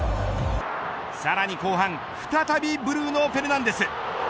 さらに後半再びブルーノ・フェルナンデス。